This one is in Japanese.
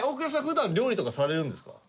普段料理とかされるんですか？